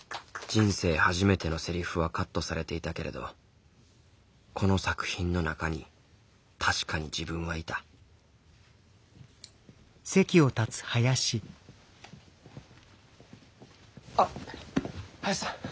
人生初めてのせりふはカットされていたけれどこの作品の中に確かに自分はいたあっ林さん。